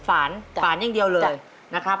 ฝานฝานอย่างเดียวเลยนะครับ